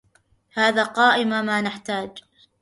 هذا قائمة ما نحتاج.